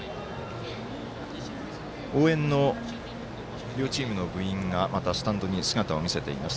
応援の両チームの部員がまたスタンドに姿を見せています。